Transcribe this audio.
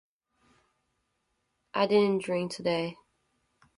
I didn't drink today.